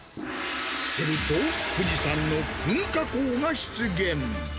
すると、富士山の噴火口が出現。